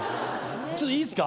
ちょっといいっすか？